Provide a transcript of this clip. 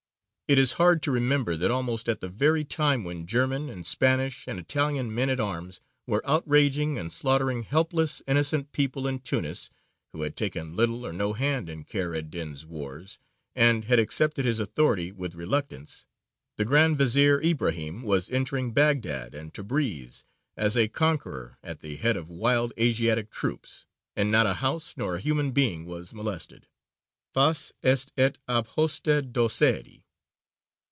It is hard to remember that almost at the very time when German and Spanish and Italian men at arms were outraging and slaughtering helpless, innocent people in Tunis, who had taken little or no hand in Kheyr ed dīn's wars and had accepted his authority with reluctance, the Grand Vezīr Ibrahīm was entering Baghdād and Tebrīz as a conqueror at the head of wild Asiatic troops, and not a house nor a human being was molested. _Fas est et ab hoste doceri.